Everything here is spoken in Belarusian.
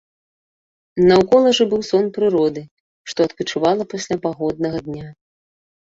Наўкол жа быў сон прыроды, што адпачывала пасля пагоднага дня.